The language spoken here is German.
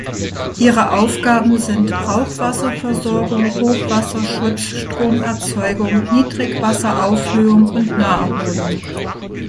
Ihre Aufgaben sind Brauchwasserversorgung, Hochwasserschutz, Stromerzeugung, Niedrigwasseraufhöhung und Naherholung.